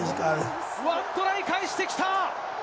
１トライ返してきた！